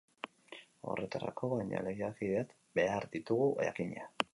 Horretarako, baina, lehiakideak behar ditugu, jakina!